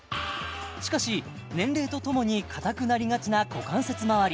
しかし年齢とともに硬くなりがちな股関節周り